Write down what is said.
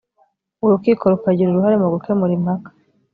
urukiko rukagira uruhare mu gukemura impaka